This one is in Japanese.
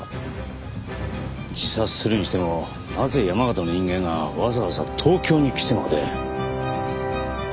自殺するにしてもなぜ山形の人間がわざわざ東京に来てまで？